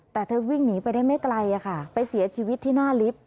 แต่เธอวิ่งหนีไปได้ไม่ไกลไปเสียชีวิตที่หน้าลิฟต์